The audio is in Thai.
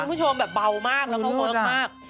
คุณผู้ชมแบบเบามากแล้วเขาเวิร์คมาก